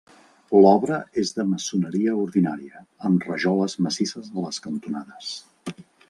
L'obra és de maçoneria ordinària, amb rajoles massisses a les cantonades.